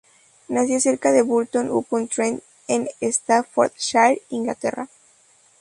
Nació cerca de Burton upon Trent en Staffordshire, Inglaterra.